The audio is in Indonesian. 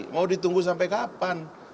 mau ditunggu sampai kapan